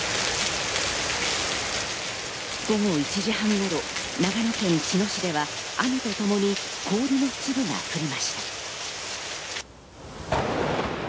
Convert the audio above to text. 午後１時半頃、長野県茅野市では、雨と共に氷の粒が降りました。